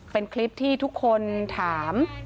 เป็นคลิปที่ทุกคนถาม